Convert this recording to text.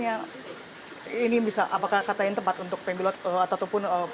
apakah ini bisa dikatakan tempat untuk pembelot atau pembelot penduduk yang berkomunikasi bersama